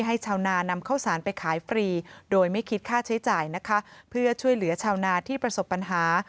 ชาวนานำข้าวสารไปขายฟรีโดยไม่คิดค่าใช้จ่ายนะคะเพื่อช่วยเหลือชาวนาที่ประสบปัญหา